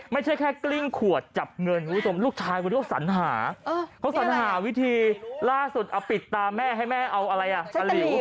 ไม่ใช่แค่กลิ้งขวดจับเงินลูกชายก็สัญหาเขาสัญหาวิธีล่าสุดเอาปิดตาแม่ให้แม่เอาอะไรอ่ะ